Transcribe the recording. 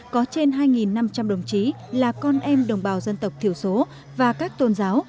có trên hai năm trăm linh đồng chí là con em đồng bào dân tộc thiểu số và các tôn giáo